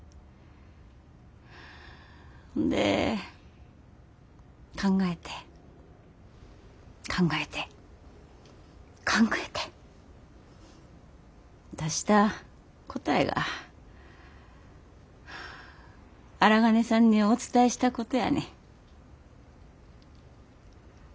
ほんで考えて考えて考えて出した答えが荒金さんにお伝えしたことやねん。